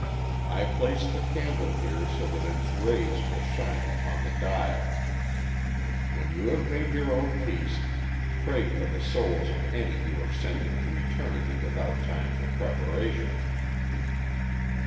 I place the candle here so that its rays will shine upon the dial. When you have made your own peace, pray for the souls of any you have sent into eternity without time for preparation."